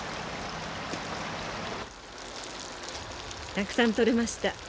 たくさん取れました。